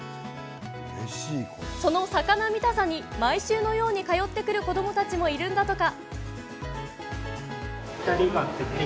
その魚見たさに毎週のように通ってくる子どもたちもいるんだとか。